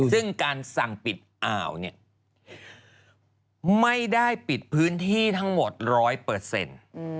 ซึ่งการสั่งปิดอ่าวเนี่ยไม่ได้ปิดพื้นที่ทั้งหมดร้อยเปอร์เซ็นต์